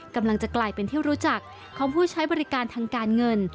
กำลังจะกลายเป็นที่รู้จักของผู้ใช้บริการทางการเงิน